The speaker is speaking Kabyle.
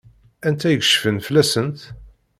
Anta i yecfan fell-asent?